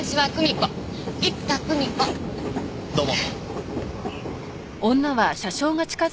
どうも。